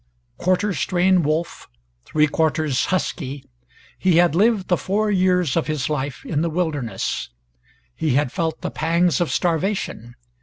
Quarter strain wolf, three quarters "husky," he had lived the four years of his life in the wilderness. He had felt the pangs of starvation.